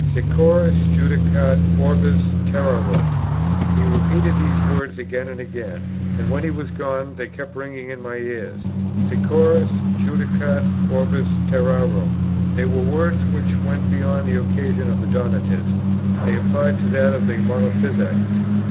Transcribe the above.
"Securus judicat orbis terrarum." He repeated these words again and again, and, when he was gone, they kept ringing in my ears. "Securus judicat orbis terrarum;" they were words which went beyond the occasion of the Donatists: they applied to that of the Monophysites.